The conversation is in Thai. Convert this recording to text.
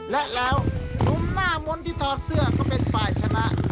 และแล้วหนุ่มหน้ามนต์ที่ถอดเสื้อก็เป็นฝ่ายชนะ